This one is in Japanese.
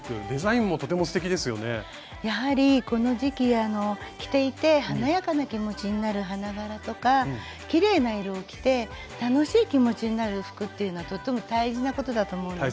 やはりこの時期着ていて華やかな気持ちになる花柄とかきれいな色を着て楽しい気持ちになる服っていうのはとっても大事なことだと思うんです。